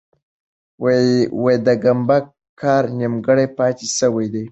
د ګمبد کار نیمګړی پاتې سوی دی.